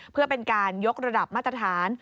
เพื่อเป็นการยกระดับมาตรฐาน